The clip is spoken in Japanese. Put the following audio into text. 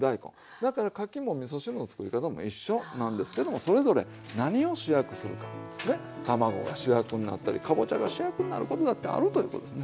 だからかきもみそ汁の作り方も一緒なんですけどもそれぞれ何を主役にするか卵が主役になったりかぼちゃが主役になるとことだってあるということですね。